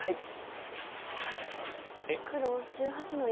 しっかり守って。